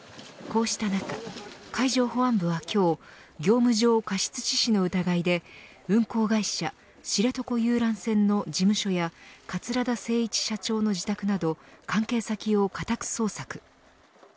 こうした中海上保安部は今日業務上過失致死の疑いで運航会社知床遊覧船の事務所や桂田精一社長の自宅など関係先を家宅捜索。